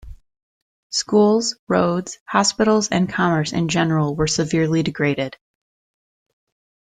Schools, roads, hospitals and commerce in general was severely degraded.